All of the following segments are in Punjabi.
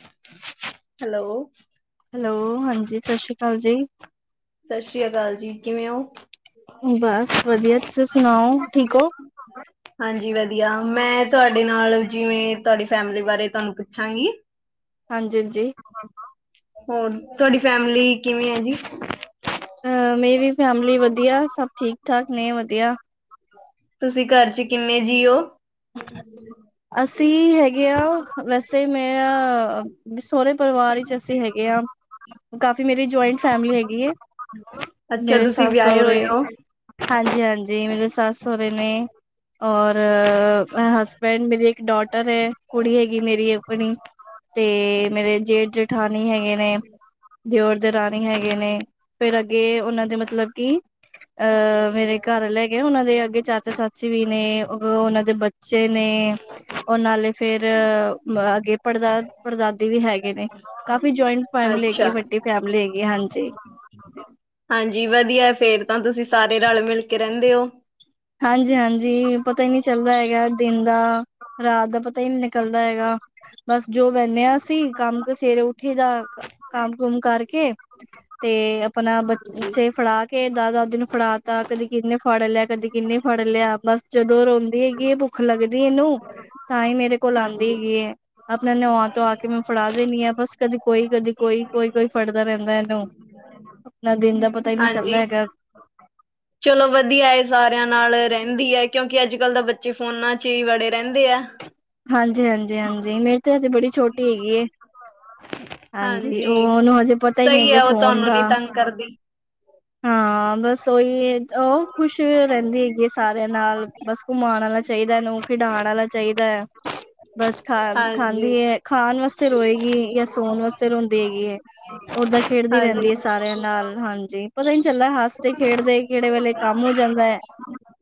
[inaudible] ਹੈਲੋ ਹੈਲੋ ਹਾਂਜੀ ਸਤਿ ਸ਼੍ਰੀ ਅਕਾਲ ਜੀ। ਸਤਿ ਸ੍ਰੀ ਅਕਾਲ ਜੀ ਕਿਵੇ ਹੋ। ਬਸ ਵਧੀਆ ਤੁਸੀ ਸੁਣਾਓ ਠੀਕ ਹੋ। ਹਾਂਜੀ ਵਧੀਆ ਮੈਂ ਤੁਹਾਡੇ ਨਾਲ- ਜਿਵੇਂ ਤੁਆਡੀ ਫੈਮਿਲੀ ਬਾਰੇ ਤੁਆਨੂੰ ਪੁੱਛਾਂਗੀ। ਹਾਂਜੀ-ਹਾਂਜੀ ਹੋਰ ਤੁਆਡੀ ਫੈਮਿਲੀ ਕਿਵੇਂ ਆ ਜੀ? ਅ ਮੇਰੀ ਵੀ ਫੈਮਿਲੀ ਵਦੀਆ, ਸਭ ਠੀਕ ਠਾਕ ਨੇ ਵਦੀਆ ਤੁਸੀਂ ਘਰ ਚ ਕਿੰਨੇ ਜੀ ਓ? ਅਸੀਂ ਹੈਗੇ ਅ ਵੈਸੇ ਮੈਂਆ ਮ ਸੋਂਰੇ ਪਰਿਵਾਰ ਇਚ ਅਸੀਂ ਹੈਗੇ ਆ ਕਾਫੀ ਮੇਰੀ ਜੁਆਇੰਟ ਫੈਮਲੀ ਹੈਗੀ ਐ ਅੱਛਾ, ਮੇਰੇ ਤੁਸੀਂ ਸੱਸ ਵਿਆਹੇ ਸੋਂਰੇ ਹੋਏ ਹੋ, ਹਾਂਜੀ-ਹਾਂਜੀ ਮੇਰੇ ਸੱਸ ਸੋਂਰੇ ਨੇ ਔਰ ਹਸਬੈਂਡ ਮੇਰੀ ਇੱਕ ਡੋਟਰ ਐ ਕੁੜੀ ਹੈਗੀ ਮੇਰੀ ਅਪਨੀ ਤੇ ਮੇਰੇ ਜੇਠ ਜੇਠਾਨੀ ਹੈਗੇ ਨੇ ਦਿਓਰ ਦੇਰਾਣੀ ਹੈਗੇ ਨੇ ਫੇਰ ਅੱਗੇ ਉਨਾਂ ਦੇ ਮਤਲਬ ਕਿ ਅ ਮੇਰੇ ਘਰ ਆਲੈ ਐਗ ਉਨਾਂ ਦੇ ਅੱਗੇ ਚਾਚਾ ਚਾਚੀ ਵੀ ਨੇ ਉਨਾਂ ਦੇ ਬਚ ਚੇ ਨੇੇ ਓ ਨਾਲੇ ਫੇਰ ਅੱਗੇ ਪੜਦਾ ਪੜਦਾਦੀ ਵੀ ਹੈਗੇ ਨੇ ਕਾਫੀ ਜੁਆਇੰਟ ਫੈਮਿਲੀ ਹੈਗੀ, ਅੱਛਾ। ਵੱਡੀ ਫੈਮਿਲੀ ਹੈਗੀ ਹਾਂਜੀ। ਹਾਂਜੀ ਵਦੀਆ ਫੇਰ ਤਾਂ ਤੁਸੀਂ ਸਾਰੇ ਰਲ ਮਿਲ ਕੇ ਰੇਂਦੇ ਓ। ਹਾਂਜੀ-ਹਾਂਜੀ, ਪਤਾ ਈ ਨੀ ਚੱਲਦਾ ਹੈਗਾ ਦਿਨ ਦਾ ਰਾਤ ਦਾ ਪਤਾ ਈ ਨੀ ਨਿਕਲਦਾ ਹੈਗਾ ਬਸ ਜੋ ਵੈਂਨੇ ਅਸੀ ਕੰਮ ਕ ਸਵੇਰੇ ਉੱਠੀ ਦਾ ਕੰਮ ਕੁਮ ਕਰਕੇ ਤੇ ਆਪਨਾ ਬੱਚੇ ਫੜਾ ਕੇ ਦਾਦਾ ਦਾਦੀ ਨੂੰ ਫੜਾ ਤਾ ਕਦੀ ਕਿੰਨੇ ਫੜ ਲਿਆ ਕਦੀ ਕਿੰਨੇ ਫੜ ਲਯਾ, ਬਸ ਜਦੋਂ ਰੋਂਦੀ ਹੈਗੀ ਏ ਭੁੱਖ ਲੱਗਦੀ ਏਨੂੰ ਤਾਂ ਈ ਮੇਰੇ ਕੋਲ ਆਂਦੀ ਹਾਂਜੀ। ਹੈਗੀ ਏ। ਆਪਨਾ ਨਵਾਂ ਤਵਾ ਕੇ ਮੈਂ ਫੜਾ ਦੇਨੀ ਆ ਬਸ ਕਦੇ ਕੋਈ, ਕਦੀ ਕੋਈ, ਕੋਈ-ਕੋਈ ਫੜਦਾ ਰੇਂਦਾ ਏਨੂੰ ਆਪਨਾ ਦਿਨ ਦਾ ਪਤਾ ਹਾਂਜੀ ਹੈਗਾ ਚਲੋ ਵਦੀਆ ਏ ਸਾਰੇਆਂ ਨਾਲ ਰੇਂਦੀ ਏ, ਕਿਉਂਕਿ ਅੱਜ ਕੱਲ੍ਹ ਤਾਂ ਬੱਚੇ ਫੋਨਾਂ ਚ ਹੀ ਵੜੇ ਰੇਂਦੇ ਆ। ਹਾਂਜੀ, ਹਾਂਜੀ, ਹਾਂਜੀ ਮੇਰੀ ਤੇ ਅੱਜੇ ਬੜੀ ਛੋਟੀ ਹੈਗੀ ਏ ਹਾਂਜੀ ਉਹਨੂੰ ਹਜੇ ਪਤਾ ਹੀ ਨਹੀਂ ਸਹੀ ਹੈਗੇ ਹੈ ਉਹ ਫੋਨ ਤੁਹਾਨੂੰ ਦਾ ਨੀ ਤੰਗ ਕਰਦੀ, [inaudible] ਹਾਂ ਬਸ ਉਓਹੀ ਉਹ ਖੁਸ਼ ਰਹਿੰਦੀ ਹੈਗੀ ਹੈ ਸਾਰਿਆਂ ਨਾਲ ਬਸ ਘੁੰਮਣਉਣਾ ਚਾਹੀਦਾ ਇਹਨੂੰ ਖਿਡਾਾਨ ਵਾਲਾ ਚਾਹੀਦਾ ਹੈ ਬਸ ਖਾ ਖਾਂਦੀ ਹਾਂਜੀ। ਖਾਣ ਵਾਸਤੇ ਰੋਏਗੀ ਜਾਂ ਸੋਣ ਵਾਸਤੇ ਰੋਂਦੀ ਹੈਗੀ ਹੈ ਦਾਂ ਖੇਡਦੀ ਹਾਂਜੀ ਰਹਿੰਦੀ ਹੈ ਸਾਰਿਆਂ ਨਾਲ ਹਾਂਜੀ ਪਤਾ ਨੀ ਚੱਲਦਾ ਹੱਸਦੇ ਖੇਡਦੇ ਕਿਹੜੇ ਵੇਲੇ ਕੰਮ ਹੋ ਜਾਂਦਾ ਹੈ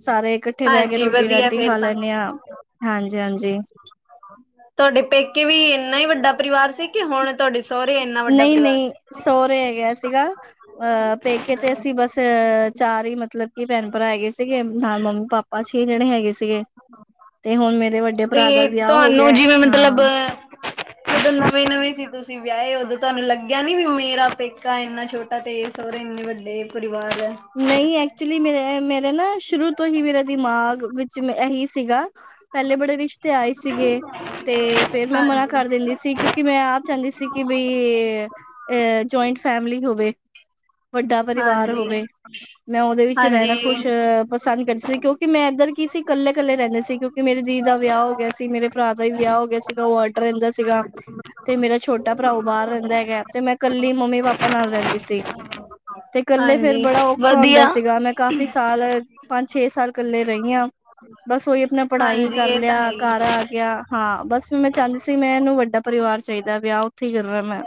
ਸਾਰੇ ਇਕ ਉੱਥੇ ਬਹਿ ਕੇ ਹਾਂਜੀ ਰੋਟੀ ਵਧੀਆ ਰਾਟੀ ਖਾ ਫੇਰ ਤਾਂ ਲੈਂਦੇ ਹਾਂ ਹਾਂਜੀ ਹਾਂਜੀ ਤੁਹਾਡੇ ਪੇਕੇ ਵੀ ਇੰਨਾ ਹੀ ਵੱਡਾ ਪਰਿਵਾਰ ਸੀ, ਕਿ ਹੁਣ ਤੁਹਾਡੇ। ਸਹੁਰੇ ਇੰਨਾ ਵੱਡਾ ਨਹੀਂ- ਪਰਿਵਾਰ ਨਹੀਂ, ਸਹੁਰੇ ਹੈਗੇ ਸੀਗਾ। ਅਹ ਪੇਕੇ ਤੇ ਅਸੀਂ ਬਸ ਚਾਰ ਹੀ, ਮਤਲਬ ਕਿ ਭੈਣ- ਭਰਾ ਹੈਗੇ ਸੀਗੇ। ਨਾਲ ਮੰਮੀ- ਪਾਪਾ। ਬਸ ਛੇ ਜਣੇ ਹੈਗੇ ਸੀਗੇ। ਤੇ ਹੁਣ ਮੇਰੇ ਵੇ- ਤੇ ਤੁਹਾਨੂੰ ਜਿਵੇਂ ਮਤਲਬ। ਜਦੋਂ ਨਵੇਂ- ਨਵੇਂ ਸੀ ਤੁਸੀਂ ਵਿਆਹੇ, ਉਦੋਂ ਤੁਹਾਨੂੰ ਲੱਗਿਆ ਨੀ ਵੀ ਮੇਰਾ। ਪੇਕਾ ਇੰਨਾ ਛੋਟਾ ਤੇ, ਸਹਰੇ ਇੰਨੇ ਵੱਡੇ ਪਰਿਵਾਰ ਹੈ। ਨਹੀਂ ਐਕਚੁਲੀ ਮੇਰੇ, ਮੇਰੇ ਨਾ ਸ਼ੁਰੂ ਤੋਂ ਹੀ ਮੇਰਾ ਦਿਮਾਗ ਵਿੱਚ ਇਹੀ ਸੀਗਾ। ਪਹਿਲੇ ਬੜੇ ਰਿਸ਼ਤੇ ਆਏ ਸੀਗੇ। ਤੇ ਫੇਰ ਮੈਂ ਮਨਾ ਹਾਂਜੀ ਕਰ ਦਿੰਦੀ ਸੀ। ਕਿਉਂਕਿ, ਕਿ ਮੈਂ ਆਪ ਚਾਹੁੰਦੀ ਸੀ। ਕਿ ਬਈ ਜਇੰਟ ਫੈਮਿਲੀ ਹੋਵੇ। ਵੱਡਾ ਪਰਿਵਾਰ ਹਾਂਜੀ ਹੋਵੇ। ਮੈਂ ਉਦੇ ਵਿੱਚ ਰੇਹਣਾ ਖੁਸ਼, ਹਾਂਜੀ ਪਸੰਦ ਕਰ ਸੀ। ਕਿਉਂ ਕਿ, ਮੈਂ ਏਦਰ ਕੀ ਸੀ ਕੱਲੇ-ਕੱਲੇ ਰੇਂਦੇ ਸੀ। ਕਿਉਂਕਿ ਮੇਰੇ ਦੀ ਦਾ ਵਿਆ ਹੋ ਗਿਆ ਸੀ, ਮੇਰੇ ਭਰਾ ਦਾ ਵੀ ਵਿਆ ਹੋ ਗਿਆ ਸੀਗਾ। ਉ ਅਡ ਰੇਂਦਾ ਸੀਗਾ। ਤੇ ਮੇਰਾ ਛੋਟਾ ਭਰਾ ਓ ਬਾਰ ਰੇਂਦਾ ਹੈਗਾ। ਤੇ ਮੈਂ ਕੱਲੀ ਮੰਮੀ- ਪਾਪਾ ਨਾਲ ਰੇਂਦੀ ਸੀ। ਤੇ ਕੱਲੇ ਫੇਰ ਹਾਂਜੀ ਬੜਾ ਔਖਾ ਹੁੰਦਾ ਵਧੀਆ ਸੀਗਾ। ਮੈਂ ਕਾਫੀ ਸਾਲ ਸਾਲ ਪੰਜ, ਛੇ ਸਾਲ ਇਕੱਲੇ ਰਹੀ ਹਾਂ। ਬਸ ਉਹੀ, ਆਪਣਾ ਪੜਾਈ ਹਾਂਜੀ ਕਰ ਇਹ ਤਾਂ ਹੈ ਲਿਆ। ਹੀ ਘਰ ਆ ਗਿਆ। ਹਾਂ ਬਸ ਵੀ ਮੈਂ ਚਾਹੁੰਦੀ ਸੀ। ਮੈਂਹਨੂੰ ਵੱਡਾ ਪਰਿਵਾਰ ਚਾਹੀਦਾ, ਵਿਆਹ ਉੱਥੇ ਹੀ ਕਰਨਾ ਮੈਂ।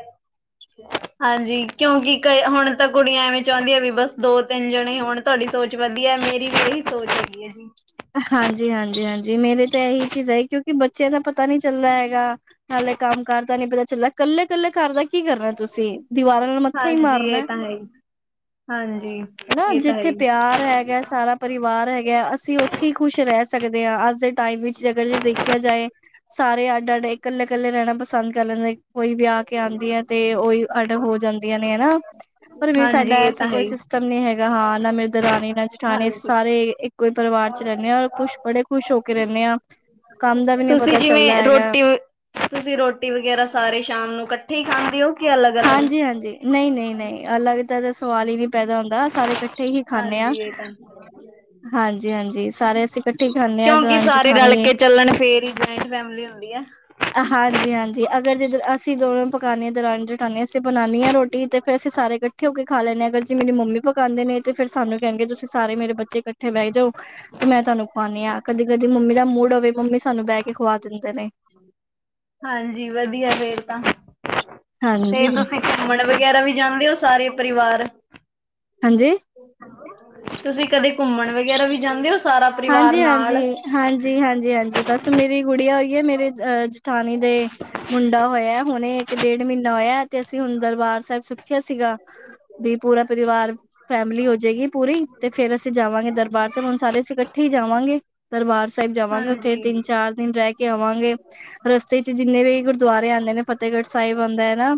ਹਾਂਜੀ, ਕਿਉਂਕਿ ਕ ਹੁਣ ਤਾਂ ਕੁੜੀਆਂ ਐਵੇਂ, ਚਾਹੁੰਦੀਆਂ ਵੀ ਬਸ ਦੋ- ਤਿੰਨ ਜਣੇ ਹੁਣ। ਤੁਹਾਡੀ ਸੋਚ ਵਧੀਆ ਹੈ। ਮੇਰੀ ਵੀ ਇਹੀ ਸੋਚ ਹੈਗੀ ਹੈ ਜੀ। ਹਾਂਜੀ- ਹਾਂਜੀ, ਹਾਂਜੀ ਮੇਰੇ ਤਾਂ ਇਹੀ ਚੀਜ਼ ਹੈ। ਕਿਉਂਕਿ ਬੱਚਿਆਂ ਦਾ ਪਤਾ ਨਹੀਂ ਚੱਲਦਾ ਹੈਗਾ। ਨਾਲੇ ਕੰਮ ਕਾਰ ਤਾਂ ਨਹੀਂ ਪਤਾ ਚੱਲਦਾ। ਇਕੱਲੇ- ਇਕੱਲੇ ਕਰਦਾ ਕੀ ਕਰਨਾ ਤੁਸੀਂ। ਦੀਵਾਰਾਂ ਨਾਲ ਮੱਥਾ ਹੀ ਹਾਂਜੀ ਇਹ ਮਾਰਨਾ। ਤਾਂ ਹੈ ਹੀ ਹਾਂਜੀ ਹਨਾ ਇਹ ਤਾਂ ਹੈ ਜਿੱਥੇ ਹੀ ਪਿਆਰ ਹੈਗਾ ਸਾਰਾ ਪਰਿਵਾਰ ਹੈਗਾ, ਅਸੀਂ ਉੱਥੇ ਹੀ ਖੁਸ਼ ਰਹਿ ਸਕਦੇ ਹਾਂ। ਅੱਜ ਦੇ ਟਾਈਮ ਵਿੱਚ ਜੇਗਰ ਜੇ ਦੇਖਿਆ ਜਾਏ। ਸਾਰੇ ਅੱਡ- ਅੱਡ, ਇਕੱਲੇ- ਇਕੱਲੇ ਰਹਿਣਾ ਪਸੰਦ ਕਰ ਲੈਂਦੇ। ਕੋਈ ਵਿਆਹ ਕੇ ਆਉਂਦੀ ਆ ਤੇ ਉਈ ਅਡ ਹੋ ਜਾਂਦੀਆਂ ਨੇ ਹਨਾ। ਹ [unintelligible] ਪਰ ਵੀ ਸਾਡਾ ਐਸਾ ਕੋਈ। ਸਤਮ ਨੀ ਹੈਗਾ। ਹਾਂ ਨਾ ਮੇਰੇ ਦਰਾਣੀ ਨਾ ਜੇਠਾਣੀ ਅਸੀਂ ਹਾਂਜੀ ਸਾਰੇ ਇੱਕੋ ਹੀ ਪਰਿਵਾਰ। ਚ ਰਹਿੰਦੇ ਖੁਸ਼ ਬੜੇ ਖੁਸ਼ ਹੋ ਕੇ ਰਹਿੰਦੇ ਹਾਂ। ਕੰਮ ਦਾ ਵੀ ਨਹੀਂ ਤੁਸੀਂ ਪਤਾ ਚੱਲਦਾ ਜਿਵੇਂ ਹੈਗਾ ਰੋਟੀ, ਤੁਸੀਂ ਰੋਟੀ ਵਗੈਰਾ ਸਾਰੇ ਸ਼ਾਮ ਨੂੰ ਕੱਠੇ ਖਾਂਦੇ ਹੋ। ਕਿ ਅਲੱਗ ਅਲੱਗ ਹਾਂਜੀ- ਹਾਂਜੀ, ਨਹੀਂ- ਨਹੀਂ, ਨਹੀਂ ਅਲਗ ਦਾ ਤਾ ਸਵਾਲ ਹੀ ਨਹੀਂ ਪੈਦਾ ਹੁੰਦਾ। ਸਾਰੇ ਕਠੇ। ਹਾਂਜੀ, ਏ ਤਾ ਹੈ। ਹਾਂਜੀ- ਹਾਂਜੀ ਸਾਰੇ ਅਸੀਂ। ਇਕੱਠੇ ਖਾਨੇ ਆ। ਕਿਉਂਕਿ ਸਾਰੇ ਰਲ ਕੇ ਚੱਲਣ। ਫੇਰ ਹੀ ਜੁਆਇੰਟ ਫੈਮਲੀ ਹੁੰਦੀ ਆ। ਹਾਂਜੀ- ਹਾਂਜੀ ਅਗਰ ਜੇ ਦਰ ਅਸੀਂ ਦੋਨੋਂ ਪਕਾਨੀਆਂ ਦਿਰਾਣੀ, ਜੇਠਾਣੀ। ਜਦੇ ਅਸੀਂ ਬਣਾਉਣੀ ਹਾਂ ਰੋਟੀ ਫੇਰ ਅਸੀਂ ਸਾਰੇ ਇਕੱਠੇ ਹੋ ਕੇ ਖਾ ਲੈਂਦੇ ਹਾਂ। ਵੇਸੇ ਮੇਰੀ ਮੰਮੀ ਪਕਾਉਂਦੇ ਨੇ। ਤੇ ਫੇਰ ਸਾਨੂੰ ਕਹਿਣਗੇ, ਤੁਸੀਂ ਸਾਰੇ ਮੇਰੇ ਬੱਚੇ ਇਕੱਠੇ ਬਹਿ ਜਾਓ। ਤੇ ਮੈਂ ਤੁਹਾਨੂੰ ਖੁਵਾਂਦੀ ਹਾ। ਕਦੀ- ਕਦੀ ਮੰਮੀ ਦਾ ਮੂਡ ਹੋਵੇ, ਮੰਮੀ ਸਾਨੂੰ ਬਹਿ ਕੇ ਖੁਵਾ ਦਿੰਦੇ ਨੇ। ਹਾਂਜੀ, ਵਧੀਆ ਫੇਰ ਤਾਂ। ਤੇ ਹਾਂਜੀ, ਤੁਸੀਂ ਘੁੰਮਣ ਵਗੈਰਾ ਵੀ ਜਾਂਦੇ ਹੋ ਸਾਰੇ ਪਰਿਵਾਰ। ਹਾਂਜੀ? ਤੁਸੀਂ, ਕਦੇ ਘੁੰਮਣ ਵਗੈਰਾ ਵੀ ਜਾਂਦੇ ਹੋ ਸਾਰਾ। ਪਰਿਵਾਰ ਹਾਂਜੀ- ਨਾਲ ਹਾਂਜੀ। ਹਾਂਜੀ- ਹਾਂਜੀ, ਹਾਂਜੀ ਬਸ, ਮੇਰੀ ਗੁੜੀਆ ਹੋਈ ਹੈ। ਮੇਰੇ ਅ ਜਠਾਣੀ ਦੇ। ਮੁੰਡਾ, ਹੋਇਆ। ਹੁਣੇ ਇੱਕ, ਡੇਢ ਮਹੀਨਾ ਹੋਇਆ ਤੇ, ਅਸੀਂ ਹੁਣ ਦਰਬਾਰ ਸਾਹਿਬ ਸੁਖਿਆ ਸੀਗਾ। ਦੀ ਪੂਰਾ, ਪਰਿਵਾਰ। ਫੈਮਿਲੀ ਹੋ ਜਾਏਗੀ ਪੂਰੀ, ਤੇ ਫੇਰ ਅਸੀਂ ਜਾਵਾਂਗ। ਦਰਬਾਰ ਸਾਹਿਬ, ਹੁਣ ਸਾਰੇ ਅਸੀਂ ਇਕ ਠੇ, ਹੀ ਜਾਵਾਂਗੇ, ਦਰਬਾਰ ਸਾਹਿਬ ਜਾਵਾਂਗੇ, ਉੱਥੇ ਹਾਂਜੀ ਤਿੰਨ- ਚਾਰ ਦਿਨ ਰਹਿ ਕੇ ਆਵਾਂਗੇ। ਰਸਤੇ ਚ ਜਿੰਨੇ ਵੀ ਗੁਰਦੁਆਰੇ ਆਉਂਦੇ ਨੇ ਫਤਿਹਗੜ੍ਹ ਸਾਹਿਬ ਆਉਂਦਾ ਹੈ ਨਾ।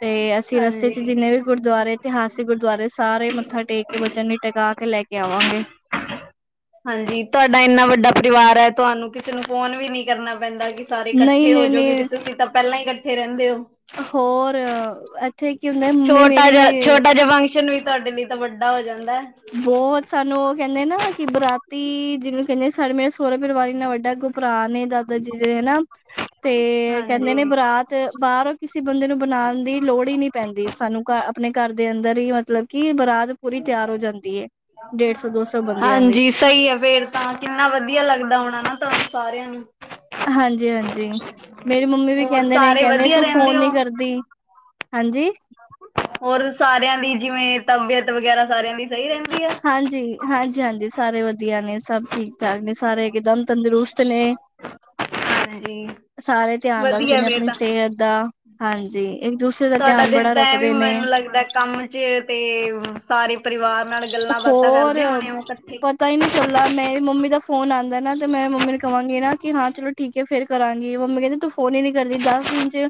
ਤੇ ਅਸੀਂ ਰਸਤੇ ਹਾਂਜੀ ਚ ਜਿੰਨੇ ਵੀ ਗੁਰਦੁਆਰੇ ਇਤਿਹਾਸਿਕ। ਗੁਰਦੁਆਰੇ ਸਾਰੇ ਮੱਥਾ ਟੇਕ ਕੇ ਬੱਚਿਆਂ ਨੂੰ ਟਿਕਾ ਕੇ ਲੈ ਕੇ ਆਵਾਂਗੇ। ਹਾਂਜੀ ਤੁਹਾਡਾ ਇੰਨਾ ਵੱਡਾ ਪਰਿਵਾਰ ਹੈ। ਤੁਹਾਨੂੰ ਕਿਸੇ ਨੂੰ ਫੋਨ ਵੀ ਨੀ ਕਰਨਾ ਪੈਂਦਾ। ਸਾਰੇ ਨਹੀਂ ਇਕੱਠੇ ਹੋ ਨਹੀਂ ਜੋ ਕਿਉਂਕ ਨਹੀਂ ਤੁਸੀਂ ਤਾਂ ਪਹਿਲਾਂ ਹੀ ਇਕੱਠੇ ਰਹਿੰਦੇ ਹੋ। ਹੋਰ ਇੱਥੇ ਕੀ ਹੁੰਦਾ ਮੰਮੀ ਛੋਟਾ ਮੇਰੀ ਜਿਹਾ ਛੋਟਾ ਜਿਹਾ ਫੰਕਸ਼ਨ ਵੀ ਤੁਹਾਡੇ ਲਈ ਤਾਂ ਵੱਡਾ ਹੋ ਜਾਂਦਾ। ਬਹੁਤ ਸਾਨੂੰ ਉਹ ਕਹਿੰਦੇ ਨਾ ਕਿ ਬਰਾਤੀ ਜਿਹਨੂੰ ਕਹਿੰਦੇ ਸਾਡੇ ਮੇਰੇ ਸੋਹਰਾ ਪਰਿਵਾਰ ਨਾਲ ਇਨਾ ਵੱਡਾ। ਭਰਾ ਨੇ ਦਾਦਾ ਜੀ ਦੇ ਹਨਾ ਤੇ ਕਹਿੰਦੇ ਹਾਂਜੀ ਨੇ ਬਰਾਤ ਤੇ ਬਾਹਰੋਂ ਕਿਸੇ ਬੰਦੇ ਨੂੰ ਬਣਾਉਣ ਦੀ ਲੋੜ ਹੀ ਨਹੀਂ ਪੈਂਦੀ। ਸਾਨੂੰ ਘਰ ਆਪਣੇ ਘਰ ਦੇ ਅੰਦਰ ਹੀ ਮਤਲਬ। ਕਿ ਬਰਾਤ ਪੂਰੀ ਤਿਆਰ ਹੋ ਜਾਂਦੀ ਏ ਹਾਂਜੀ ਸਹੀ ਆ ਫਿਰ ਤਾਂ ਕਿੰਨਾ ਵਧੀਆ ਲੱਗਦਾ ਹੋਣਾ ਨਾ ਤਾਂ ਸਾਰਿਆਂ ਨੂੰ ਹਾਂਜੀ ਹਾਂਜੀ ਮੇਰੀ ਮੰਮੀ ਵੀ ਹੋਰ ਕਹਿੰਦੇ ਨੇ ਸਾਰੇ ਕਹਿੰਦੇ ਵਧੀਆ ਤੂੰ ਰਹਿੰਦੇ ਫੋਨ ਹੋ ਨੀ ਕਰਦੀ ਹਾਂਜੀ ਹੋਰ ਸਾਰਿਆਂ ਦੀ ਜਿਵੇਂ, ਤਬੀਅਤ ਵਗੈਰਾ ਸਾਰਿਆਂ ਦੀ। ਸਹੀ ਰਹਿੰਦੀ ਆ ਹਾਂਜੀ, ਹਾਂਜੀ, ਹਾਂਜੀ, ਸਾਰੇ ਵਧੀਆ ਨੇ ਸਭ ਠੀਕ ਠਾਕ ਨੇ ਸਾਰੇ ਇਕਦਮ ਤੰਦਰੁਸਤ ਨੇ ਹਾਂਜੀ, ਸਾਰੇ ਧਿਆਨ ਵਧੀਆ ਜਿਵੇਂ ਫੇਰ ਆਪਣੀ ਤਾਂ ਸਿਹਤ ਦਾ ਹਾਂਜੀ ਇੱਕ ਦੂਸਰੇ ਦਾ ਤੁਹਾਡਾ ਧਿਆਨ ਬੜਾ ਦਿਨ ਤਾਂ ਐਵੇਂ ਰੱਖਦੇ ਨੇ ਮੈਨੂੰ ਲੱਗਦਾ ਕੰਮ ਚ ਤੇ ਸਾਰੇ ਪਰਿਵਾਰ ਨਾਲ ਗੱਲਾਂ ਬਾਤਾਂ ਹੋਰ ਕਰਦੇ ਹੋਣੇ ਉਹ ਇਕੱਠੇ ਪਤਾ ਹੀ ਨਹੀਂ ਚੱਲਦਾ ਮੇਰੀ ਮੰਮੀ ਦਾ ਫੋਨ ਆਉਂਦਾ ਨਾ ਤੇ ਮੈਂ ਮੰਮੀ ਨੂੰ ਕਹਾਂਗੀ ਨਾ ਕਿ ਹਾਂ ਚਲੋ ਠੀਕ। ਫਿਰ, ਕਰਾਂਗੀ ਮੰਮੀ ਕਹਿੰਦੇ। ਫੋਨ ਹੀ ਨੀ ਕਰਦੀ ਦਸ ਦਿਨ ਚ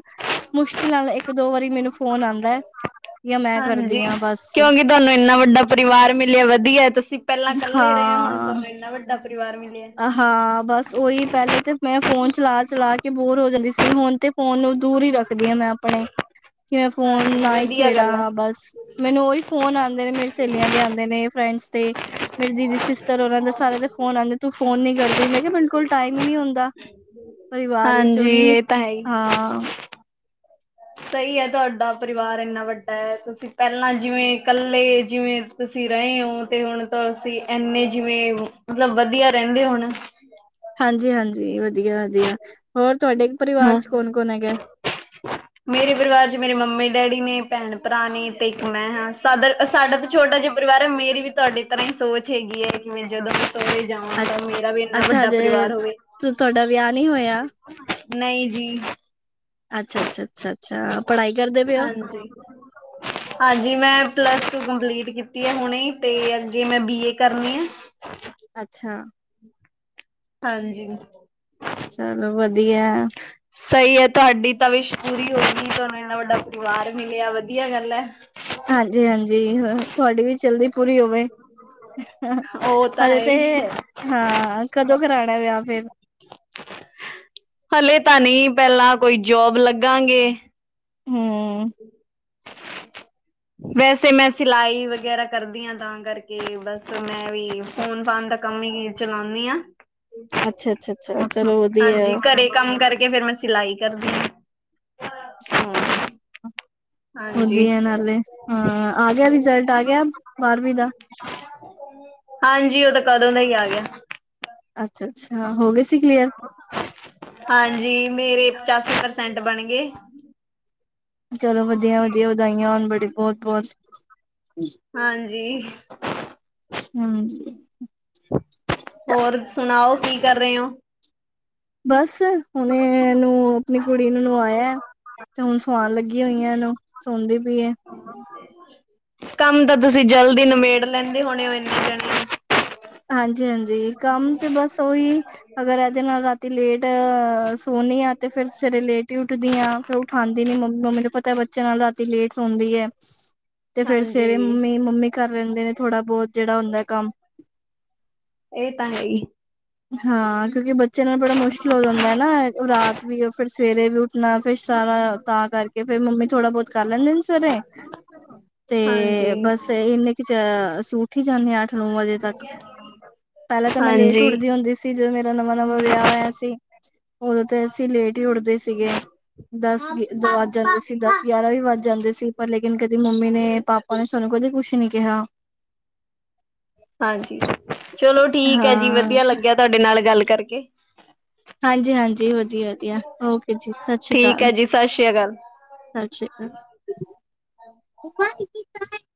ਮੁਸ਼ਕਿਲ ਨਾਲ ਇੱਕ ਦੋ ਵਾਰੀ ਮੈਨੂੰ ਫੋਨ ਆਉਂਦਾ ਹੈ। ਜਾਂ ਮੈਂ ਹਾਂਜੀ ਕਰਦੀ ਹਾਂ ਬਸ ਕਿਉਂਕਿ ਤੁਹਾਨੂੰ ਇੰਨਾ ਵੱਡਾ ਪਰਿਵਾਰ ਮਿਲਿਆ ਵਧੀਆ ਤੁਸੀਂ ਪਹਿਲਾਂ ਕੱਲੇ ਰਹੇ ਹੋ ਹੁਣ ਹਾਂ ਤੁਹਾਨੂੰ ਇੰਨਾ ਵੱਡਾ। ਦਾ ਪਰਿਵਾਰ ਮਿਲਿਆ। ਹਾਂ ਬਸ ਉਹੀ ਪਹਿਲੇ ਤੇ ਮੈਂ ਫੋਨ ਚਲਾ ਚਲਾ ਕੇ ਬੋਰ ਹੋ ਜਾਂਦੀ ਸੀ ਹੁਣ ਤੇ ਫੋਨ ਨੂੰ ਦੂਰ ਹੀ ਰੱਖਦੀ ਹਾਂ ਮੈਂ ਆਪਣੇ ਕਿਵੇਂ ਫੋਨ ਹਾਂਜੀ ਨਾ ਹੀ ਵਧੀਆ ਛੇੜਾ ਗੱਲ ਹੈ ਹਾਂ ਬਸ। ਮੈਨੂੰ ਉਹੀ ਫੋਨ ਆਉਂਦੇ ਨੇ ਮੇਰੀ ਸਹੇਲੀਆਂ ਦੇ ਆਉਂਦੇ ਨੇ ਫਰੈਂਡਸ ਦੇ ਮੇਰੀ ਦੀਦੀ ਸ। ਉਹਨਾਂ ਦੇ ਸਾਰਿਆਂ ਦੇ ਫੋਨ ਆਉਂਦੇ ਤੂੰ ਫੋਨ ਨੀ ਕਰਦੀ ਮੈਂ ਕਿਹਾ ਮੇਰੇ ਕੋਲ ਟਾਈਮ ਨਹੀਂ ਹੁੰਦਾ। ਪਰਿਵਾਰ ਵਿੱਚੋਂ ਹਾਂਜੀ ਨਹੀਂ ਇਹ ਤਾਂ ਹੈ ਹੀ ਹਾਂ। ਸਹੀ ਹੈ ਤੁਹਾਡਾ ਪਰਿਵਾਰ ਇੰਨਾ ਵੱਡਾ ਹੈ ਤੁਸੀਂ ਪਹਿਲਾਂ ਜਿਵੇਂ ਇਕੱਲੇ ਜਿਵੇਂ। ਤੁਸੀਂ ਰਹੇ ਹੋ ਤੇ ਹੁਣ ਤਾਂ ਅਸੀਂ ਇੰਨੇ ਜਿਵੇਂ ਮਤਲਬ ਵਧੀਆ ਰਹਿੰਦੇ ਹੋਣ ਹਾਂਜੀ, ਹਾਂਜੀ ਵਧੀਆ ਵਧੀਆ ਹੋਰ ਤੁਹਾਡੇ ਪਰਿਵਾਰ ਹਾਂ ਚ ਕੌਣ ਕੌਣ ਹੈਗਾ। ਮੇਰੇ ਪਰਿਵਾਰ ਚ ਮੇਰੇ ਮੰਮੀ ਡੈਡੀ ਨੇ ਭੈਣ ਭਰਾ ਨੇ ਤੇ ਇੱਕ ਮੈਂ ਹਾਂ। ਸਾਡ ਸਾਡਾ। ਛੋਟਾ ਜਿਹਾ ਪਰਿਵਾਰ ਹੈ ਮੇਰੀ ਵੀ ਤੁਹਾਡੇ ਤਰ੍ਹਾਂ ਹੀ ਸੋਚ ਹੈਗੀ ਹੈ। ਕਿ ਮਿਲ ਜਾਵੇ ਸੋਰੇ ਜਾਵਾਂ ਅ ਤਾਂ ਮੇਰਾ ਵੀ ਇੰਨਾ ਅੱਛਾ ਵੱਡਾ ਹਜੇ ਪਰਿਵਾਰ ਹੋਵੇ। ਤੁਹਾਡਾ ਵਿਆਹ ਨਹੀਂ ਹੋਇਆ ਨਹੀਂ ਜੀ ਅੱਛਾ, ਅੱਛਾ ਅੱਛਾ। ਅੱਛਾ ਪੜ੍ਹਾਈ ਕਰਦੇ ਪਏ ਹੋ ਹਾਂਜੀ, ਹਾਂਜੀ ਮੈਂ ਪਲੱਸ ਟੂ ਕੰਪਲੀਟ ਕੀਤੀ ਹੈ। ਹੁਣੇ ਤੇ ਅੱਗੇ ਮੈਂ ਬੀ ਏ ਕਰਨੀ ਆ। ਅੱਛਾ। [inaudible] ਹਾਂਜੀ ਚਲੋ ਵਧੀਆ। ਸਹੀ ਹੈ ਤੁਹਾਡੀ ਤੇ ਵਿਸ਼ ਪੂਰੀ ਹੋ ਗਈ ਤੁਹਾਨੂੰ ਇਨਾ ਵੱਡਾ ਪਰਿਵਾਰ ਮਿਲਿਆ ਵਧੀਆ ਗੱਲ ਏ। ਹਾਂਜੀ -ਹਾਂਜੀ ਤੁਹਾਡੀ ਵੀ ਚਲਦੀ ਪੂਰੀ ਹੋਵੇ। ਉਹ ਤਾਂ ਹਜੇ ਹੈ ਤੇ ਹੀ ਹਾਂ ਕਦੋਂ ਕਰਾਉਣਾ ਵਿਆਹ ਫਿਰ? ਹਲੇ ਤਾਂ ਨਹੀਂ ਪਹਿਲਾਂ ਕੋਈ ਜੋਬ ਲੱਗਾਂਗੇ। ਹਮ ਵੈਸੇ ਮੈਂ ਸਿਲਾਈ ਵਗੈਰਾ ਕਰਦੀ ਹਾਂ ਤਾਂ ਕਰਕੇ ਬਸ ਮੈਂ ਵੀ ਫੋਨ -ਫਾਨ ਦਾ ਕੰਮ ਹੀ ਚਲਾਉਂਦੀ ਹਾਂ। ਅੱਛਾ- ਅੱਛਾ -ਅੱਛਾ ਚਲੋ ਹਾਂਜੀ ਵਧੀਆ! ਘਰੇ ਕੰਮ ਕਰਕੇ ਫਿਰ ਮੈਂ ਸਿਲਾਈ ਕਰਦੀ ਹਾਂ। ਹਮ ਹੂੰ ਹਾਂਜੀ ਵਧੀਆ ਨਾਲੇ, ਹਾਂ ਆ ਗਿਆ ਰਿਜਲਟ ਆ ਗਿਆ ਬਾਰਵੀਂ ਦਾ? ਹਾਂਜੀ ਉਹ ਤਾਂ ਕਦੋਂ ਦਾ ਹੀ ਆ ਗਿਆ। ਅੱਛਾ-ਅੱਛਾ ਹੋ ਗਏ ਸੀ ਕਲੀਅਰ? ਹਾਂਜੀ ਮੇਰੇ ਚਾ ਪ੍ਰਸੈਂਟ ਬਣ ਗਏ ਚਲੋ, ਵਧੀਆ, ਵਧੀਆ, ਵਧਾਈਆਂ ਹੁਣ ਬੜੇ, ਬਹੁਤ ਬਹੁਤ। ਹਾਂਜੀ, ਹਮ, ਹੋਰ ਸੁਣਾਓ, ਕੀ ਕਰ ਰਹੇ ਹੋ। ਬਸ, ਹੁਣ ਇਹਨੂੰ, ਆਪਣੀ ਕੁੜੀ ਨੂੰ ਨਵਾਇਆ ਤੇ ਹੁਣ ਸਵਾਉਣ ਲੱਗੀ ਹੋਈਆਂ ਇਹਨੂੰ ਸੌਦੀ ਪਈ ਏ। [inaudible] ਕੰਮ ਤਾਂ ਤੁਸੀਂ ਜਲਦੀ ਨਿਮੇੜ ਲੈਂਦੇ ਹੋਣੇ ਹੋਣੇ ੳ। ਹਾਂਜੀ- ਹਾਂਜੀ ਕੰਮ ਤੇ ਬਸ ਓਹੀ। ਅਗਰ ਇਹਦੇ ਨਾਲ ਰਾਤੀ ਲੇਟ ਅ ਸੋਨੀ ਆ ਤੇ ਫਿਰ ਸਵੇਰੇ ਲੇਟ ਹੀ ਉੱਠਦੀ ਆ। ਫਿਰ ਉਠਾਂਦੀ ਨੀ ਮੰਮੀ ਨੂੰ ਪਤਾ ਹੈ ਬੱਚੇ ਨਾਲ ਰਾਤੀ ਲੇਟ ਹੁੰਦੀ ਏ। ਤੇ ਫੇਰ ਸਵੇਰੇ ਹਾਂਜੀ ਮੰਮੀ ਮੰਮੀ ਕਰ ਲੈਂਦੇ ਨੇ ਥੋੜਾ ਬਹੁਤ ਜਿਹੜਾ ਹੁੰਦਾ ਕੰਮ। ਇਹ ਤਾਂ ਹੈ ਹੀ। ਹਾਂ ਕਿਉਂਕਿ ਬੱਚੇ ਨਾਲ ਬੜਾ ਮੁਸ਼ਕਿਲ ਹੋ ਜਾਂਦਾ ਏ ਨਾ ਰਾਤ ਵੀ ਫੇਰ ਸਵੇਰੇ ਵੀ ੳਠ ਆਪਣਾ ਫੇਰ ਸਾਰਾ ਤਾਂ ਕਰਕੇ ਫੇਿਰ ਮੰਮੀ ਥੋੜਾ ਬਹੁਤ ਕਰ ਲੈਂਦੇ ਨੇ ਸਵੇਰੇ। ਤੇ ਹਾਂਜੀ ਬਸ ਇੰਨੇ ਕੁ ੳਠ ਹੀ ਜਾਂਦੇ ਹ ਅੱਠ ਨੌ ਵਜੇ ਤੱਕ ਪਹਿਲਾਂ ਤਾਂ ਮੈਂ ਲੇਟ। ਹਾਂਜੀ ਟੁਟਦੀ ਹੁੰਦੀ ਸੀ ਜਦੋਂ ਮੇਰਾ ਨਵਾਂ -ਨਵਾਂ ਵਿਆਹ ਹੋਇਆ ਸੀ। ਉਦੋਂ ਤੇ ਅਸੀਂ ਲੇਟ ਹੀ ਉੱਠਦੇ ਸੀਗੇ।। ਦਸ ਵੱਜ ਜਾਂਦੇ ਸੀ ਦਸ ਗਿਆਰਾਂ ਵੀ ਵੱਜ ਜਾਂਦੇ ਸੀ ਪਰ ਲੇਕਿਨ ਕਦੀ ਮੰਮੀ ਨੇ ਪਾਪਾ ਉਹਨੇ ਸਾਨੂੰ ਕਦੇ ਕੁਛ ਨੀ ਕਿਹਾ। ਹਾਂਜੀ ਚਲੋ ਠੀਕ ਹੈ ਜੀ ਹਾਂ ਵਧੀਆ ਲੱਗਿਆ ਤੁਹਾਡੇ ਨਾਲ ਗੱਲ ਕਰਕੇ। ਹਾਂਜੀ -ਹਾਂਜੀ ਵਧੀਆ- ਵਧੀਆ ਓਕੇ ਜੀ ਸਤਿ ਸ਼੍ਰੀ ਠੀਕ ਅਕਾਲ! ਹੈ ਜੀ ਸਤਿ ਸ੍ਰੀ ਅਕਾਲ ਸਤਿ ਸ਼੍ਰੀ ਅਕਾਲ।